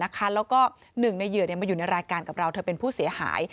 แล้วก็หนึ่งในเหยื่อมาอยู่ในรายการกับเราเธอเป็นผู้เสียหาย